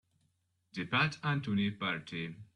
The Pat Anthony Party.